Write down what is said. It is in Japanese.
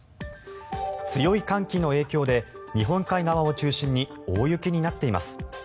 強い寒気の影響で日本海側を中心に大雪になっています。